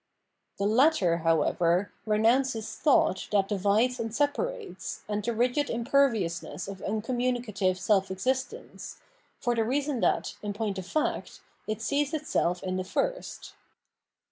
The latter, however, renounces thought that divides and separates, and the rigid imperviousness of uncom 680 Phenomenology o f Mind municative self existence, for the reason that, in point of fact, it sees itself in the first.